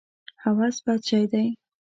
هوس بد شی دی.